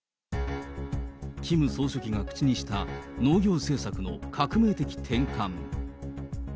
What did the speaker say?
キム総書記が口にした、農業政策の革命的転換。